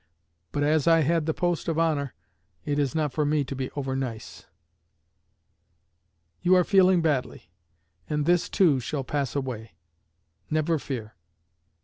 But as I had the post of honor, it is not for me to be over nice. You are feeling badly. And this, too, shall pass away; never fear.